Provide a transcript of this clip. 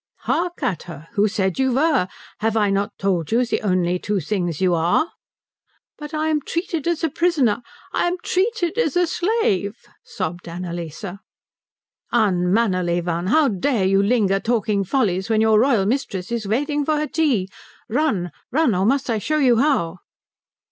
"Hark at her! Who said you were? Have I not told you the only two things you are?" "But I am treated as a prisoner, I am treated as a slave," sobbed Annalise. "Unmannerly one, how dare you linger talking follies when your royal mistress is waiting for her tea? Run run! Or must I show you how?"